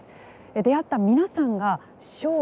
出会った皆さんが「勝利」